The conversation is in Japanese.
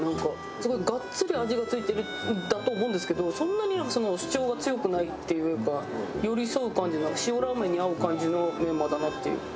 すごいがっつり味が付いてるんだと思うんですけどそんなに主張が強くないっていうか寄り添う感じの塩ラーメンに合う感じのメンマだなっていう。